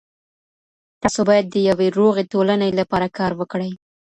تاسو باید د یوې روغې ټولنې لپاره کار وکړئ.